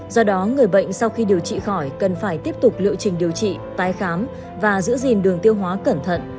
do đó người bệnh sau khi điều trị khỏi cần phải tiếp tục liệu trình điều trị tái khám và giữ gìn đường tiêu hóa